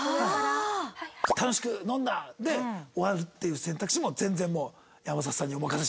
「“楽しく飲んだ！”で終わるっていう選択肢も全然もう山里さんにお任せします」っていう。